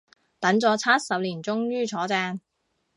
等咗七十年終於坐正